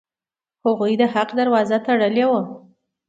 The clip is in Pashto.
هغوی د حق دروازه تړلې وه.